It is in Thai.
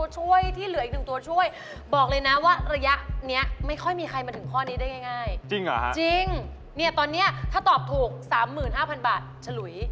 จริงเหรอครับจริงเนี่ยตอนเนียะถ้าตอบถูก๓๕๐๐๐บาทฉลุย